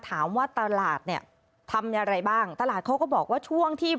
ถามว่าตลาดเนี่ยทำอะไรบ้างตลาดเขาก็บอกว่าช่วงที่